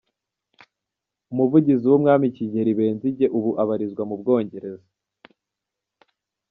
Umuvugizi w’Umwami Kigeli, Benzige ubu arabarizwa mu Bwongereza